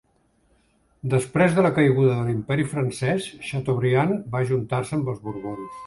Després de la caiguda de l'Imperi Francès, Chateaubriand va ajuntar-se amb els Borbons.